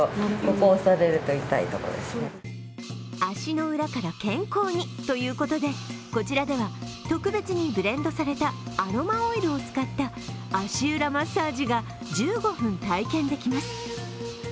足の裏から健康にということでこちらでは特別にブレンドされたアロマオイルを使った足裏マッサージが１５分体験できます。